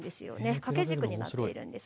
掛け軸になっているんです。